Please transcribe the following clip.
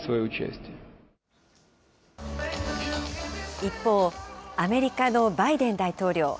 一方、アメリカのバイデン大統領。